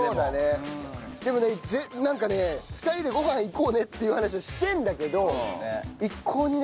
でもねなんかね２人でご飯行こうねっていう話をしてるんだけど一向にね。